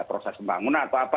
proses pembangunan atau apa